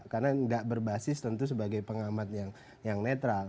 karena nggak berbasis tentu sebagai pengamat yang netral